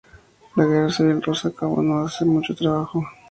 La Guerra Civil Rusa acabó no hace mucho tiempo.